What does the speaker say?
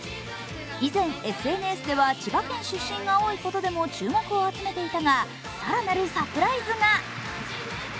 以前、ＳＮＳでは千葉県出身が多いことでも注目を集めていたが、更なるサプライズが。